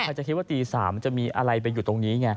ใครจะคิดว่าตี๓จะมีอะไรอยู่ตรงนี้ไง